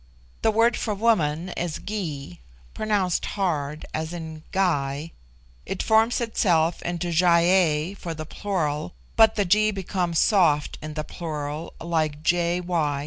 The word for woman is Gy (pronounced hard, as in Guy); it forms itself into Gy ei for the plural, but the G becomes soft in the plural like Jy ei.